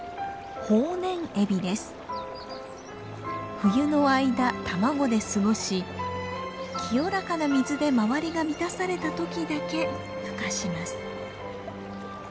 冬の間卵で過ごし清らかな水で周りが満たされた時だけふ化します。